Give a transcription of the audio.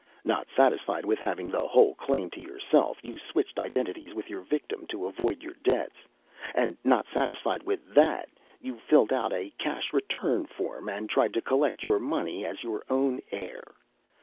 Not satisfied with having the whole claim to yourself, you switched identities with your victim to avoid your debts. And not satisfied with that, you filled out a cash return form and tried to collect your money as your own heir.